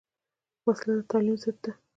وسله د تعلیم ضد ده